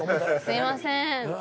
すいません。